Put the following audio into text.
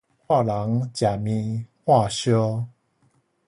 看人食麵喝燒